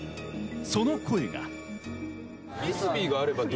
その声が。